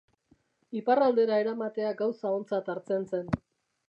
Iparraldera eramatea gauza ontzat hartzen zen.